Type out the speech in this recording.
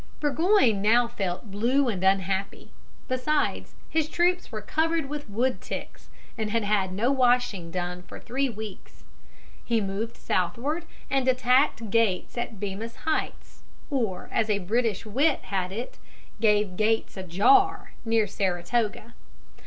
Burgoyne now felt blue and unhappy. Besides, his troops were covered with wood ticks and had had no washing done for three weeks. He moved southward and attacked Gates at Bemis Heights, or, as a British wit had it, "gave Gates ajar," near Saratoga.